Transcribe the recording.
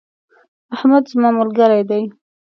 احمد زما ملګری دی.